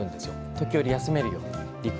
時折、休めるように。